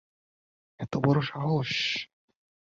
এত বড় সাহস?